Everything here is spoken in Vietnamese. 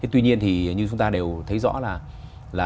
tuy nhiên thì như chúng ta đều thấy rõ là